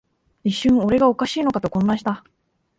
一瞬、俺がおかしいのかと混乱した